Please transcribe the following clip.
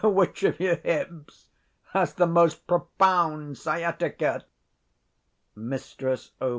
which of your hips has the most profound sciatica? _Mrs Ov.